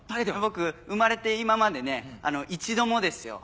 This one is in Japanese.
僕生まれて今までね一度もですよ。